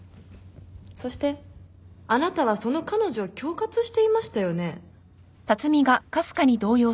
そしてあなたはその彼女を恐喝していましたよね？